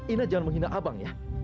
ina jangan menghina abang ya